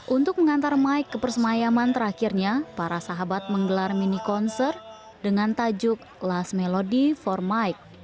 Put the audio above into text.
untuk mengantar mike ke persemayaman terakhirnya para sahabat menggelar mini konser dengan tajuk las melody for mike